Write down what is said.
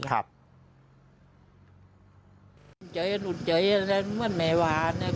แล้วฎั่งแมวะเนี่ย